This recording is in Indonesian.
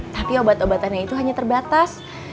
tapi obat obatannya itu hanya terbatas